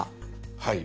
はい。